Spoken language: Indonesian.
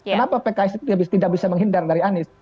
kenapa pks itu tidak bisa menghindar dari anies